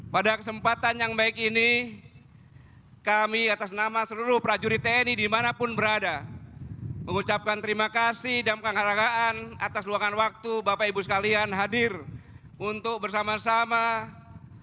pada kesempatan yang baik ini kami atas nama seluruh prajurit tni dimanapun berada mengucapkan terima kasih dan penghargaan atas luangan waktu bapak ibu sekalian hadir untuk bersama sama